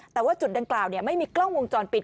แต่ว่าจุดดังกล่าวไม่มีกล้องวงจรปิด